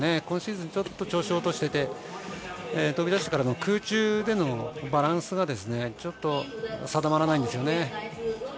今シーズン調子を落としていて飛び出してからの空中でのバランスがちょっと定まらないんですよね。